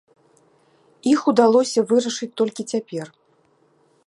Іх удалося вырашыць толькі цяпер.